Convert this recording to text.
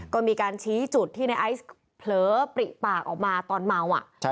ก็มีการชี้จุดที่ในไอซ์เผลอปริปากออกมาตอนเมา